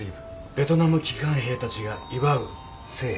ベトナム帰還兵たちが祝う聖夜。